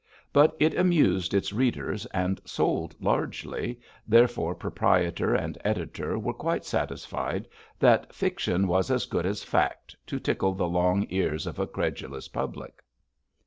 But it amused its readers and sold largely, therefore proprietor and editor were quite satisfied that fiction was as good as fact to tickle the long ears of a credulous public.